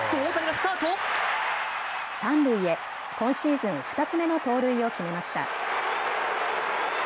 三塁へ、今シーズン２つ目の盗塁を決めました。